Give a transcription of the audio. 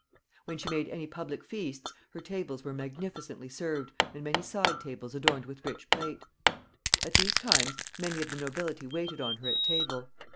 When she made any public feasts, her tables were magnificently served and many side tables adorned with rich plate. At these times many of the nobility waited on her at table.